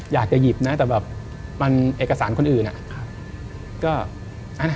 อยากจะหยิบนะแต่แบบมันเอกสารคนอื่นอะ